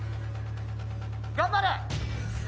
頑張れ！